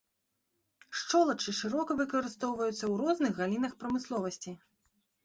Шчолачы шырока выкарыстоўваюцца ў розных галінах прамысловасці.